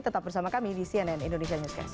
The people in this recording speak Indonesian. tetap bersama kami di cnn indonesia newscast